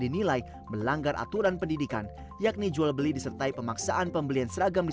dinilai melanggar aturan pendidikan yakni jual beli disertai pemaksaan pembelian seragam di